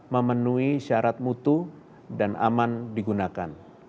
memenuhi syarat mutu dan aman digunakan